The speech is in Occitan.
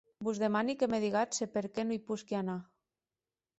Vos demani que me digatz se per qué non i posqui anar.